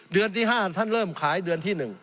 เดือนที่๕ท่านเริ่มขายเดือนที่๑